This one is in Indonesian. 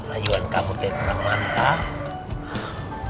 layuan kang bos teh kurang mantap